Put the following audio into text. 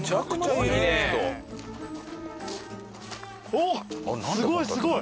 おっすごいすごい！